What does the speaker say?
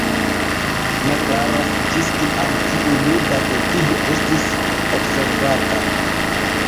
Ne klaras ĝis kiam tiu juda devigo estis observata.